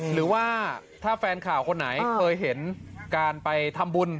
หรือว่าถ้าแฟนข่าวคนไหนเคยเห็นการไปทำบุญ